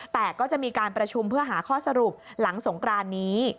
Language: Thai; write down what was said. แต่ก็จะมีการประชุมเพื่อหาข้อสรุปหลังสงกรานนี้